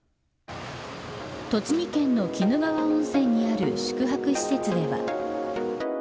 栃木県の鬼怒川温泉にある宿泊施設では。